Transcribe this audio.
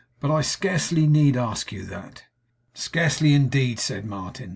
But I scarcely need ask you that.' 'Scarcely indeed,' said Martin.